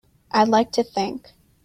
I'd like to think.